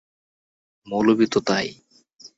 মৌলভী তো তাই।